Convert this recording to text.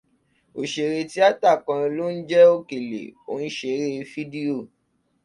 Òṣèré tíátà kan ló ń jẹ́ Òkèlè, ó ń ṣeré fídíò